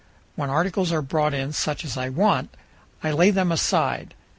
When articles are brought in such as I want, I lay them aside.